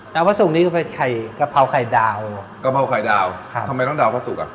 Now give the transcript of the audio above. พระสุกนี้ก็เป็นไข่กะเพราไข่ดาวกะเพราไข่ดาวครับทำไมต้องดาวพระสุกอ่ะ